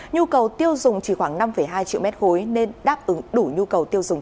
nhu cầu tiêu dùng chỉ khoảng năm hai triệu m ba nên đáp ứng đủ nhu cầu tiêu dùng